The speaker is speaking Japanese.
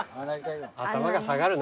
頭が下がるね。